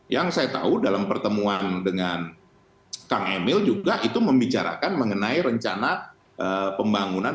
yang saya tahu dalam pertemuan dengan kang emil juga itu membicarakan mengenai rencana pembangunan